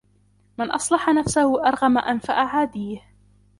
مَنْ أَصْلَحَ نَفْسَهُ أَرْغَمَ أَنْفَ أَعَادِيهِ